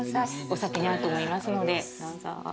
お酒に合うと思いますのでどうぞ。